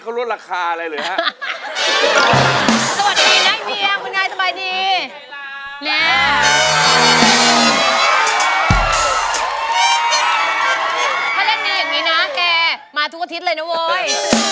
ถ้าเล่นดีอย่างนี้นะแกมาทุกอาทิตย์เลยนะเว้ย